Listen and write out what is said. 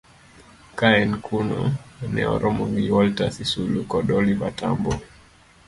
Ka en kuno, ne oromo gi Walter Sisulu kod Oliver Tambo